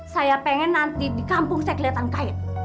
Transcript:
saya pengen nanti di kampung saya kelihatan kait